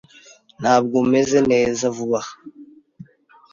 Ntabwo meze neza vuba aha.